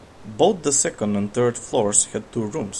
Both the second and third floors had two rooms.